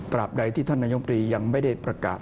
บใดที่ท่านนายมตรียังไม่ได้ประกาศ